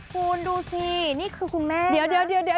คุณดูสินี่คือคุณแม่นะ